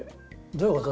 どういうこと？